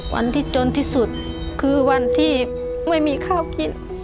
วันที่จนที่สุดคือวันที่ไม่มีข้าวกิน